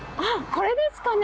これですかね？